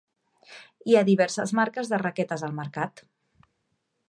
Hi ha diverses marques de raquetes al mercat.